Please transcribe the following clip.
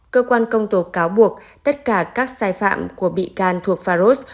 cơ quan công tố cáo buộc tất cả các sai phạm của bị can thuộc faros